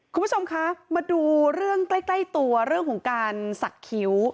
คุณผู้ชมคะมาดูเรื่องใกล้ตัวเรื่องของการสักคิ้ว